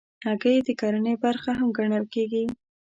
هګۍ د کرنې برخه هم ګڼل کېږي.